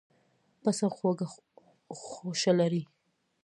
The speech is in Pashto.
پسه خوږه غوښه لري.